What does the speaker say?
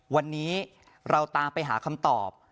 วันนี้เราตามไปหาคำตอบ